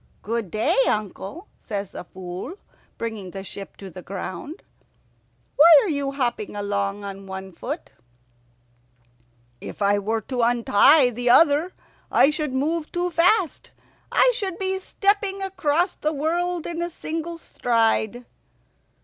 "Good day, uncle," says the Fool, bringing the ship to the ground. "Why are you hopping along on one foot?" "If I were to untie the other I should move too fast. I should be stepping across the world in a single stride."